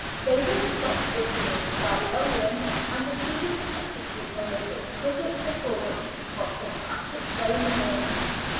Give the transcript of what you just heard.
David stopped whistling "Garry Owen," and proceeded to execute a most exquisite performance of "St. Patrick's Day in the Morning."